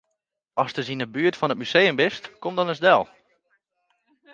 Ast ris yn 'e buert fan it museum bist, kom dan ris del.